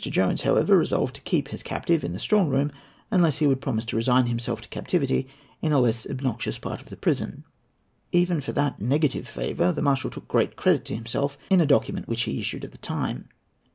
Jones, however, resolved to keep his captive in the Strong Room, unless he would promise to resign himself to captivity in a less obnoxious part of the prison. Even for that negative favour the marshal took great credit to himself in a document which he issued at the time.